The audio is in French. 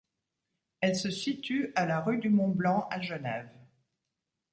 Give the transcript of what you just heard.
Elle se situe à la Rue du Mont-Blanc, à Genève.